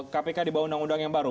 kpk dibawah undang undang yang baru